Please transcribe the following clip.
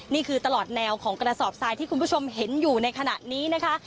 นี่คือตลอดแนวของกระสอบทรายที่คุณผู้ชมเห็นอยู่ในขณะนี้นะคะ